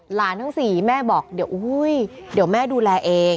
หลานทั้ง๔แม่บอกเดี๋ยวอุ้ยเดี๋ยวแม่ดูแลเอง